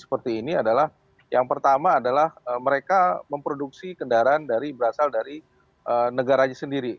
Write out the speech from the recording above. seperti ini adalah yang pertama adalah mereka memproduksi kendaraan dari berasal dari negaranya sendiri